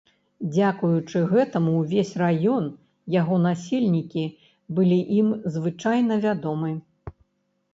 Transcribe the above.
Дзякуючы гэтаму ўвесь раён, яго насельнікі былі ім звычайна вядомы.